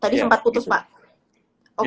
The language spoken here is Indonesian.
tadi sempat putus pak